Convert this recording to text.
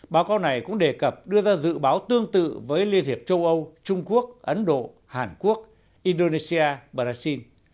báo cáo này cũng đề cập đưa ra dự báo tương tự với liên hiệp châu âu trung quốc ấn độ hàn quốc indonesia brazil